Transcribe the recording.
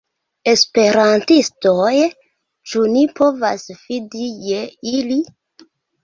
Esperantistoj? Ĉu ni povas fidi je ili?